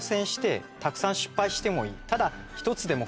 ただ。